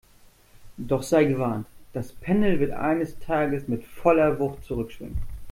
Doch sei gewarnt, das Pendel wird eines Tages mit voller Wucht zurückschwingen!